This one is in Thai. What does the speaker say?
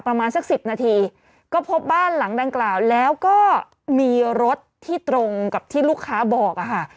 ประมาณสักสิบนาทีก็พบบ้านหลังดังกล่าวแล้วก็มีรถที่ตรงกับที่ลูกค้าบอกอะค่ะ